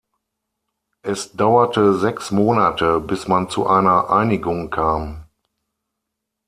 Es dauerte sechs Monate, bis man zu einer Einigung kam.